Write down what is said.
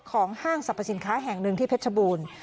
ห้างสรรพสินค้าแห่งหนึ่งที่เพชรบูรณ์